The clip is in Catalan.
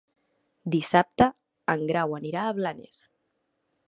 Dissabte en Grau anirà a Blanes.